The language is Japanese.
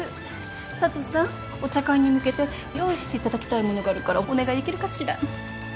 佐都さんお茶会に向けて用意していただきたいものがあるからお願いできるかしら。